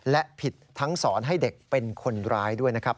และผิดทั้งสอนให้เด็กเป็นคนร้ายด้วยนะครับ